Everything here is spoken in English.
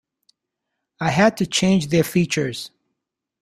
I had to change their features.